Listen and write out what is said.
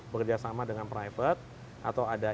bekerjasama dengan private atau ada